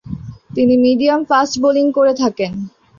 তিনি medium fast bowling করে থাকেন।